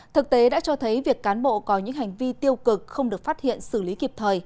thực tế đã cho thấy việc cán bộ có những hành vi tiêu cực không được phát hiện xử lý kịp thời